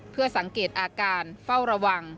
เพื่อสังเกตอาการเฝ้าระวัง